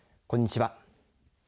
こんにちは。